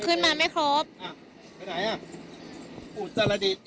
กลับมา๒๕ค่ะกลับมาก่อน